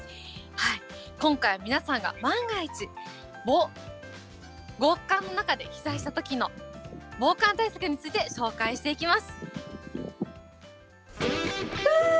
今回は皆さんが万が一、極寒の中で被災したときの防寒対策について紹介していきます。